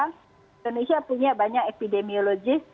indonesia punya banyak epidemiologis